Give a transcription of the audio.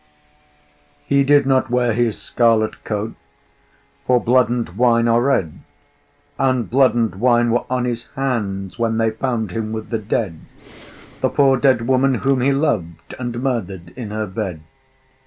He did not wear his scarlet coat, For blood and wine are red, And blood and wine were on his hands When they found him with the dead, The poor dead woman whom he loved, And murdered in her bed.